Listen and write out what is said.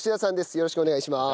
よろしくお願いします。